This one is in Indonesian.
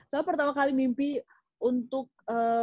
soalnya pertama kali mimpi untuk basket di jepang